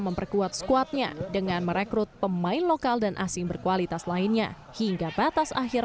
memperkuat squadnya dengan merekrut pemain lokal dan asing berkualitas lainnya hingga batas akhir